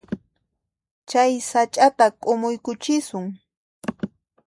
Chay sach'ata k'umuykuchisun.